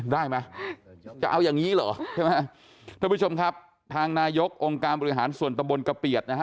ได้ไหมจะเอาอย่างนี้เหรอใช่ไหมท่านผู้ชมครับทางนายกองค์การบริหารส่วนตะบนกระเปียดนะฮะ